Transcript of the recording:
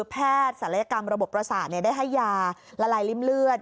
ศัลยกรรมระบบประสาทได้ให้ยาละลายริ่มเลือด